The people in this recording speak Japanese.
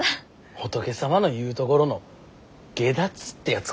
仏様の言うところの解脱ってやつかね。